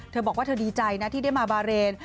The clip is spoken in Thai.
เธอบอกว่าเธอดีใจนะที่ได้มาบาเรน